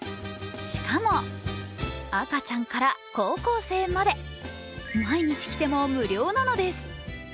しかも赤ちゃんから高校生まで毎日来ても無料なのです。